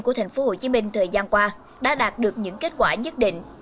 của tp hcm thời gian qua đã đạt được những kết quả nhất định